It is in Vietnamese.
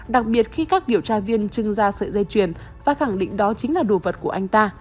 đặc biệt khi các điều tra viên chưng ra sợi dây chuyền và khẳng định đó chính là đồ vật của anh ta